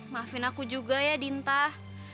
maafin aku juga ya dintah